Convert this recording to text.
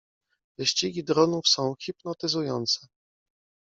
Wyścigi dronów są hipnotyzujące.